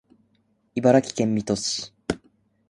茨城県水戸市